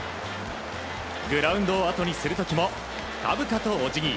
グラウンドをあとにする時も深々とお辞儀。